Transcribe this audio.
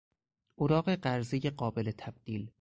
اوراق قرضهی قابل تبدیل